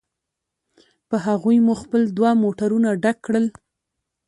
په هغوی مو خپل دوه موټرونه ډک کړل.